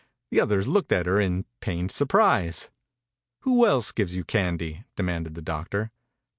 The others looked at her in pained sur prise. "Who else gives you candy?" demanded the doctor.